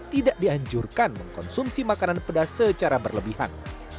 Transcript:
tidak dianjurkan mengkonsumsi makanan pedas secara berlebihan